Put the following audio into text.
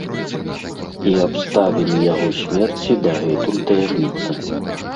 І абставіны яго смерці дагэтуль таямніца.